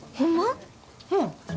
うん。